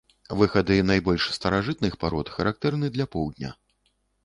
Выхады найбольш старажытных парод характэрны для поўдня.